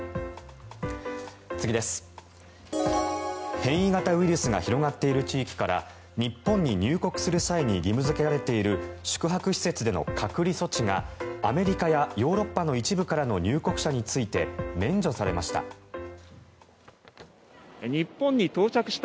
変異型ウイルスが広がっている地域から日本に入国する際に義務付けられている宿泊施設での隔離措置がアメリカやヨーロッパの一部からの入国者について免除されました。